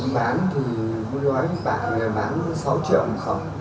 bán thì bố nói với bạn là bán sáu triệu một khẩu